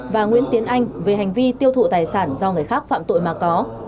và nguyễn tiến anh về hành vi tiêu thụ tài sản do người khác phạm tội mà có